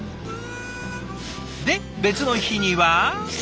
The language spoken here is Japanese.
で別の日には。